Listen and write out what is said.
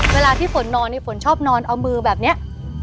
เวลาที่ฝนนอนฝนชอบนอนเอามือแบบนี้